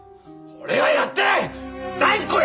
断固やってない！